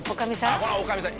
あっこれ女将さん